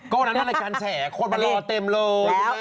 ก็นั้นมันในการแชร์คนมารอเต็มเลย